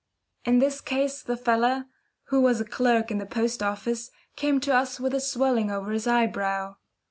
In this case the fellow, who was a clerk in the post office, came to us with a swelling over his eyebrow.